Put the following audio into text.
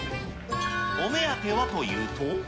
お目当てはというと。